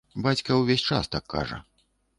Бацька ўвесь час так кажа.